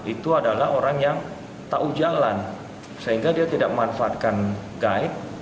itu adalah orang yang tahu jalan sehingga dia tidak memanfaatkan guide